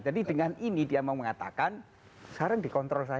jadi dengan ini dia mau mengatakan sekarang dikontrol saya